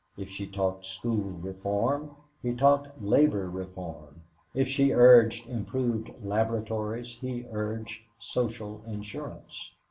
If she talked school reform, he talked labor reform; if she urged improved laboratories, he urged social insurance.